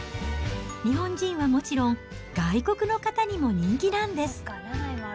日本人はもちろん、外国の方にも人気なんです。